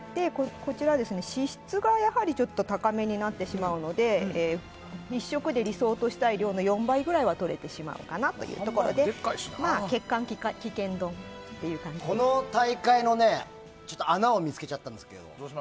脂質が高めになってしまうので１食で理想としたい量の４倍くらいはとれてしまうかなというところでこの大会の穴を見つけました。